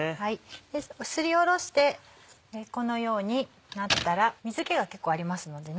すりおろしてこのようになったら水気が結構ありますのでね